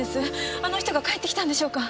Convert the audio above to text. あの人が帰ってきたんでしょうか？